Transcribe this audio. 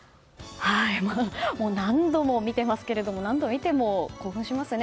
もう何度も見ていますけど何度見ても興奮しますね